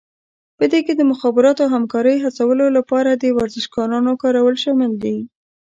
په دې کې د مخابراتو او همکارۍ هڅولو لپاره د ورزشکارانو کارول شامل دي